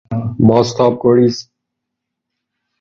بازتاب گریز